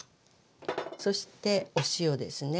そしてお塩ですね。